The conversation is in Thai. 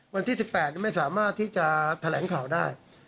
วันที่๑๘ไม่สามารถที่จะแถลงข่าวได้